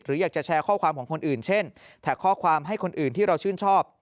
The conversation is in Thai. อยากจะแชร์ข้อความของคนอื่นเช่นแท็กข้อความให้คนอื่นที่เราชื่นชอบ